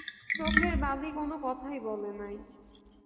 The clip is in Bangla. চোখের বালি কোনো কথাই বলে নাই।